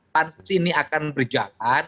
pansus ini akan berjalan